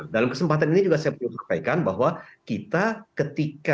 dalam kesempatan ini juga saya perlu sampaikan bahwa kita ketika